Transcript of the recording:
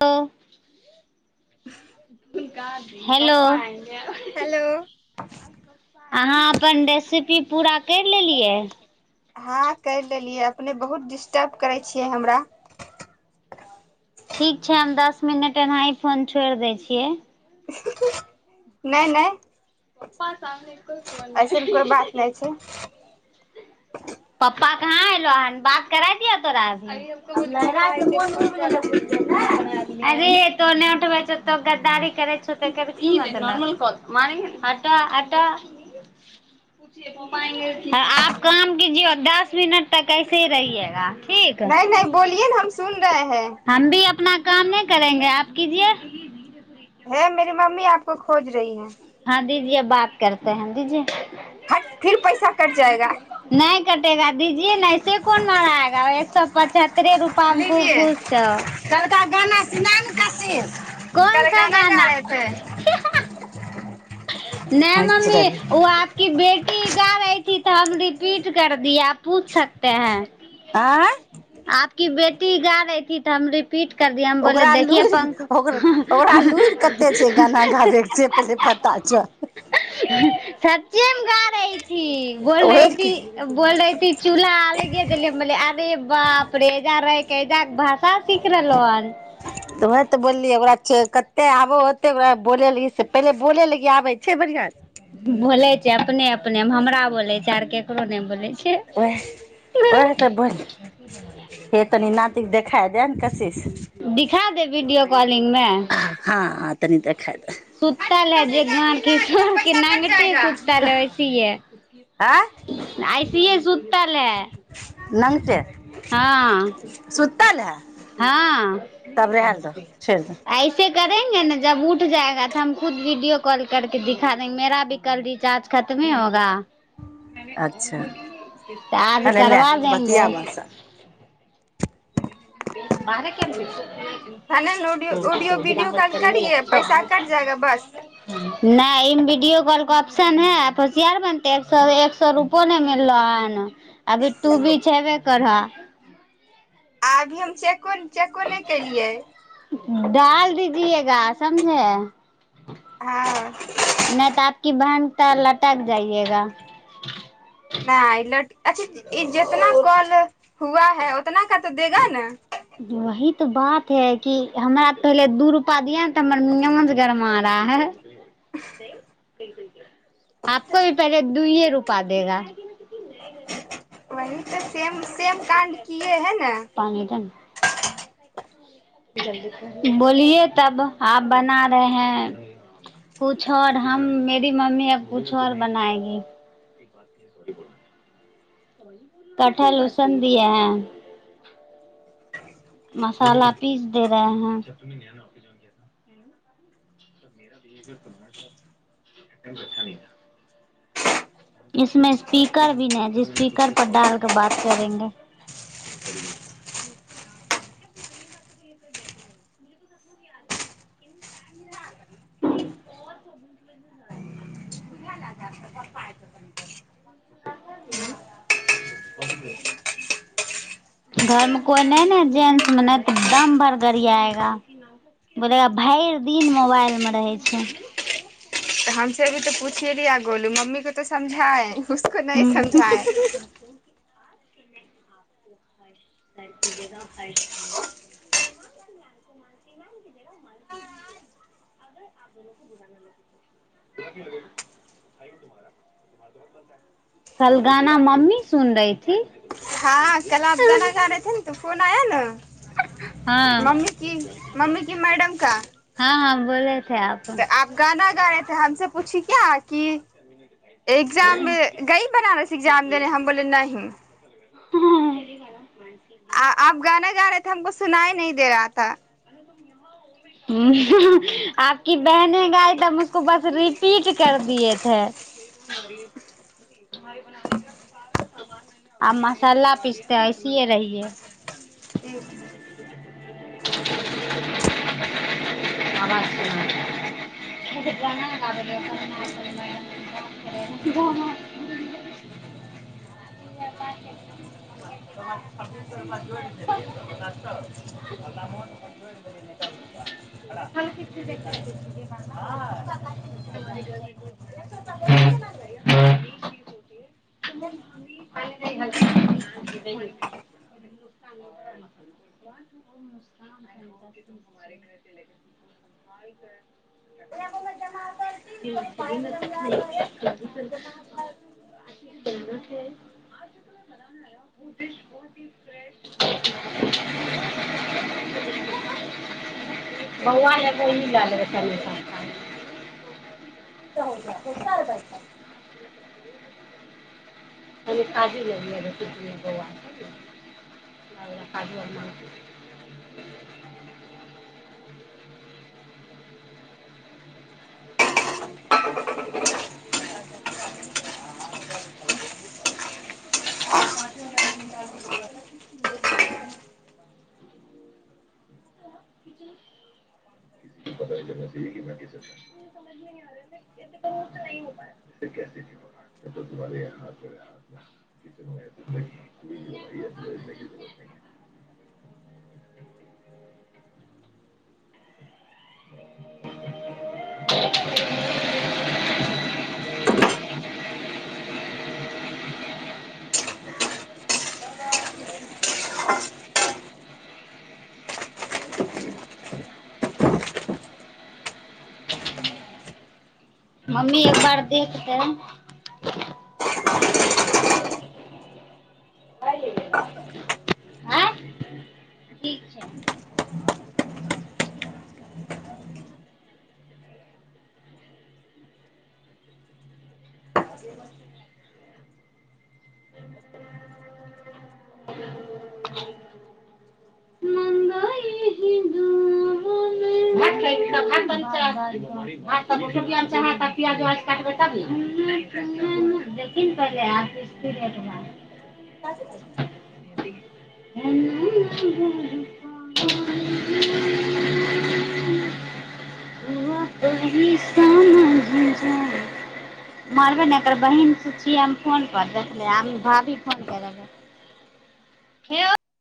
तऽ [unintelligible] का जी हेलो हेलो अहाँ अपन रेसिपी पूरा करि लेलियै हँ करि लेलियै अपने बहुत डिस्टर्ब करै छियै हमरा ठीक छै हम दस मिनट एनाहि फोन छोड़ि दै छियै नहि नहि पप्पा सामने कोई फोन ऐसन कोइ बात नहि छै पप्पा कहाँ एलौ हन बात कराए दिओ तोरा अभी तूं अब कहलन्हि लहरा पप्पा से एतै मोन फोन उब रख गेलक खाना ने बनाय लिहैं अरे तों न गद्दारी करै छौ तकर ई मतलब नोरमल काल मारेंगे न हट तऽ एतऽ ह आप काम कजिए और दस मिनट तक ऐसे ही रहिगा ठीक नहीं नहीं बोलिए न हम सुन रहे हैं हम भी अपना काम नही करेंगे आप कीजिए हे मेेरी मम्मी आपको खोज रही है हँ दिजिए बात करतेै है दिजिए हट फिर पैसा कट जाएगा नहि कटेगा दिजिए ने ऐसे कोन मरागा एक सए पचहत्तरे रूपा मे खूब लीजिए खुश छ कल का गाना सुना न काशिश कोन कल सा गा गाना रहे थे हि हा नहि हँसि मम्मी रहल ओ आपक बेटी गा रही थी तो हम रिपीट कर दिए आप पूछ सकते हैं आँ आपकी गा रही थी तो हम रि ओकरा लुरि ओ ओकरा लुुरि कते छै गाना गाबैके से पहिले प ता छौ सच्चे मे गा रही थी बोल रही ओहे थी के बोल रही थी चूल्हा अलगे जले बोले अरे बाप रे जा रहे कैजाक भास तऽ वएह तऽ बोललियै ओकरा से कते आबो ओतेकरा बोले लागी से पहिले बोले लागी आबै छै बढ़िियां बोले छै अपने अपने हमरा बोले छै आर केकरो नहि बोले छै उएह उएहसँ बोल हे तनी नाातीके देखा दए ने कशीसँ कॉलिंगमे हँ तनी देखाय दे सुता ले जे गर किशोरके पैसा कट नंगटे जाएगा सुता ले ओैसीए आँ अइसीए सुतल हे नही ते हँ है हँ तब रहल दो छोड़ि दो ऐसे करेंगे ने जब उठ जाएग तऽ हम खुद वीडियो कॉल करके दिखा देेंगे मेरा भी कल रिचार्ज खतमे ह होगा अच्छा त आज अरे ले करबा देेंगे बतिया बस बार केन ब छै धने ऑड ऑडियो वीडियो कॉल करे पैसा कट जाएगा बस नहि ईमे वीडियो कॉलके ऑप्शन है होसियार बनतै स एक सए रुपो नहि मिललो हन अभी तू भी छेबे करहऽ आभी हम से कोन दाल जियएगा समझे हँ त लटक जाइएगा नहि अ ल अच्छा ई जितना कॉल हुआ है कतना का तऽ देगा ने वही बात है क हमरा पहले दू रूपा दिया तऽ हमर नियम गरमा रहा है आपको भी पहले दूयए रूपा देगा वही तऽ सेम सेम काण्ड कि है ने पानी बोलिये तब आ बना रहे हैं कुछ और हम मेरी मम्मी अब कुछु और बनाएगी कठल लूसन दए हैं मसाला पीस दे रहे हैं अच्छा न इसमे स्पीकर भी ने ज स्पीकर पर डालके बात करेंगे [unintelligible] घर मे कोई नहि ने जेंटस मे नहि तऽ दम भर गरियाएगा बोलेा भरि दिन मोबाइल मे रहै छै तऽ हमस अ भी तऽ पूछीये लीया गोलू मम्मी को तो समझाए उसको नहि समझाए घर की जगह हल भैाया ह त कल गाना मम्मी सुन रही थी हँ कल आप गाना गा रहेथे तू फोन आया ने हाँ मम्मी की मम्मी की मैडम का बोल तऽ आप गाना गा रहेथे हम से पूछी क्या की एग्जाम गई बनारस एग्जाम देने हम बोले नह हुँ हुम् आ आब गाना रहेथे हमको सुनाइ नहि दे रहा था हुँ हं आपकी बहने गााय तऽब उसको बस रिपीट कर दिएथे आ मसाला पीस ते ऐसे रहिे ठीक [unintelligible] है [unintelligible] इहाँ पर जमा करथिन तऽ पाइ जमा करे, सौ रुपया में जमा कर [unintelligible] बनाना छै आ बन ल [inaudible] बौआ लय गोली लय लेबै क स [inaudible] होय ओ साल बै [inaudible] ताजी नहि [unintelligible] [unintelligible] ह [unintelligible] [inaudible] [unintelligible] [unintelligible] हँ [inaudible] मम्मी एक बार देखतै आ ठीक छै प्याजाज काटबै तब ने ह देखिन पहिले आ ठीके छोँ का हुँ हं [inaudible] [unintelligible] मरबै ने एकर बहिनसँ छियै फोन पर देखले भाभी फोन कर देबैे